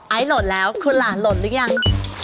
ไอล์โหลดแล้วคุณหลานโหลดหรือยัง